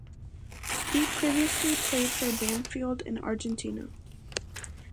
He previously played for Banfield in Argentina.